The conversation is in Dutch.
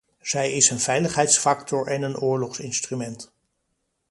Zij is een veiligheidsfactor en een oorlogsinstrument.